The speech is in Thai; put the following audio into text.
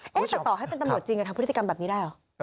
จะต่อให้เป็นตำรวจจริงจะทำพฤติกรรมแบบนี้ได้เหรอ